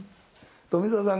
富澤さん